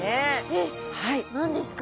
えっ何ですか？